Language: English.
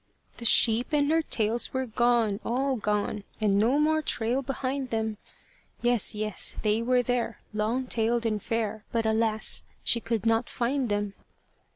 The sheep and their tails were gone, all gone And no more trail behind them! Yes, yes! they were there long tailed and fair, But, alas! she could not find them.